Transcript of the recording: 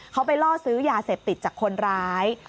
เขาไปล่อซื้อยาเสพติดจากคนร้าย